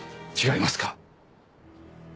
違いますか？